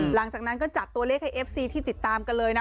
หลังจากนั้นก็จัดตัวเลขให้เอฟซีที่ติดตามกันเลยนะ